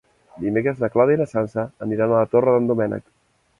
Dimecres na Clàudia i na Sança aniran a la Torre d'en Doménec.